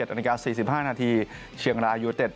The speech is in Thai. ๑๗อันดัก๔๕นาทีเชียงราอยู่อเต็ด